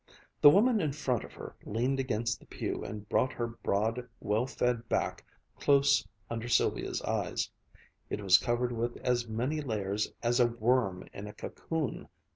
The woman in front of her leaned against the pew and brought her broad, well fed back close under Sylvia's eyes. It was covered with as many layers as a worm in a cocoon.